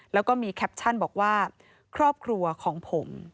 แล้วก็มีแคปชั่นบอกว่าครอบครัวของผม